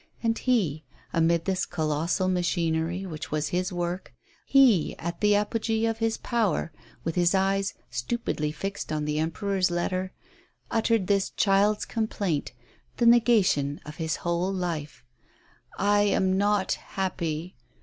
And he, amid this colossal machinery which was his work, he, at the apogee of his power, with his eyes stupidly fixed on the Emperor's letter, uttered this child's complaint, the negation of his whole life: "I am not happy!